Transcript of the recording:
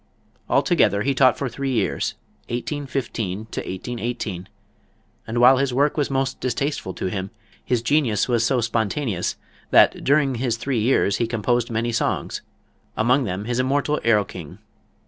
Altogether, he taught for three years, 1815 to 1818; and while his work was most distasteful to him, his genius was so spontaneous that during his three years he composed many songs, among them his immortal "Erlking."